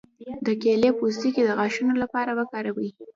د کیلې پوستکی د غاښونو لپاره وکاروئ